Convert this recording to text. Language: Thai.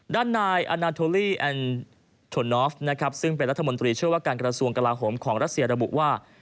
ด้านนายอาณาโทลี่แอนโทนอฟนะครับซึ่งเป็นรัฐมนตรีเชื่อว่าการกระทรวงกลาโหมของรัสเซียระบุว่า